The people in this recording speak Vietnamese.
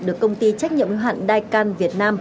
được công ty trách nhiệm hạn đai can việt nam